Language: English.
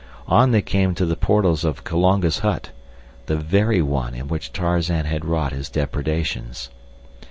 On they came to the portals of Kulonga's hut, the very one in which Tarzan had wrought his depredations.